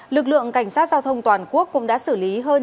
lực lượng cảnh sát giao thông toàn quốc cũng đã xử lý hơn chín sáu trăm linh